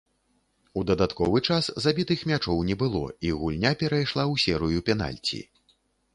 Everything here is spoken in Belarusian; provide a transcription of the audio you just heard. У дадатковы час забітых мячоў не было і гульня перайшла ў серыю пенальці.